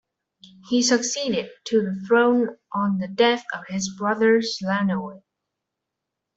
He succeeded to the throne on the death of his brother Slánoll.